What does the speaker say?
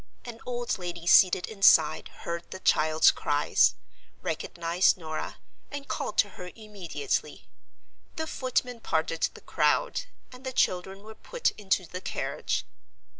An old lady seated inside heard the child's cries, recognized Norah, and called to her immediately. The footman parted the crowd, and the children were put into the carriage.